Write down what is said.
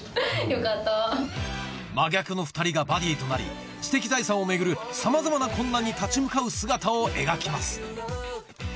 真逆の２人がバディとなり知的財産を巡るさまざまな困難に立ち向かう姿を描きます